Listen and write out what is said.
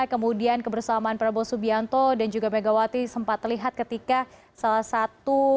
kemudian kebersamaan prabowo subianto dan juga megawati sempat terlihat ketika salah satu